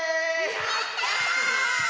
やった！